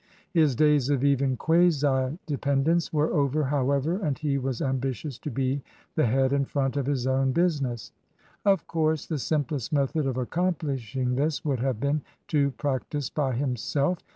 His days of even quasi dependence were over, however, and he was ambitious to be the head and front of his own business. Of course the simplest method of accomplishing this would have been to practise by himself.